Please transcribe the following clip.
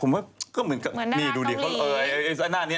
เหมือนหน้าต้องหลี